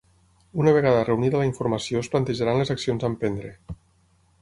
Una vegada reunida la informació es plantejaran les accions a emprendre.